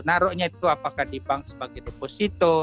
naruhnya itu apakah di bank sebagai deposito